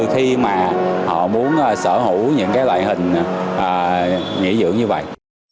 khi mà họ muốn sở hữu những cái loại hình nghỉ dưỡng như vậy